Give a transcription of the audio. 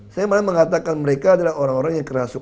saya malah mengatakan mereka adalah orang orang yang kerasuk